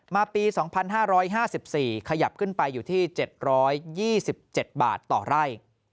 ปี๒๕๕๔ขยับขึ้นไปอยู่ที่๗๒๗บาทต่อไร่